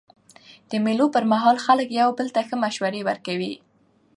د مېلو پر مهال خلک یو بل ته ښه مشورې ورکوي.